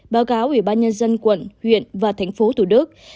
báo cáo ủy ban nhân dân quận huyện và tp hcm